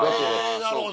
なるほど。